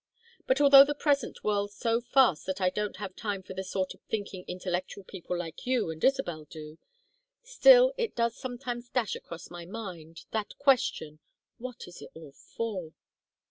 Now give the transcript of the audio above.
But although the present whirls so fast that I don't have time for the sort of thinking intellectual people like you and Isabel do, still it does sometimes dash across my mind that question: 'What is it all for?